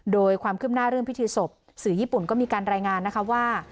โดยความคืบหน้าเรื่องพิธีศพสื่อญี่ปุ่นก็มีการรายงานนะคะว่า